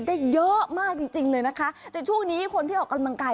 ได้เยอะมากจริงจริงเลยนะคะแต่ช่วงนี้คนที่ออกกำลังกาย